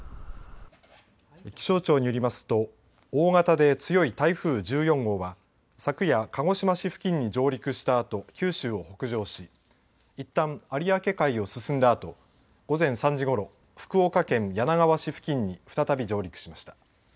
気象庁によりますと大型で強い台風１４号は昨夜、鹿児島市付近に上陸したあと九州を北上しいったん有明海を進んだあと午前３時ごろ福岡県柳川市付近に再び上陸しました。